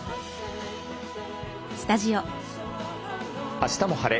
「あしたも晴れ！